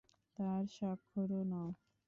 তার স্বাক্ষরও নাও।